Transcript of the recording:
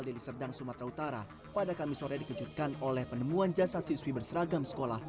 deli serdang sumatera utara pada kamis sore dikejutkan oleh penemuan jasad siswi berseragam sekolah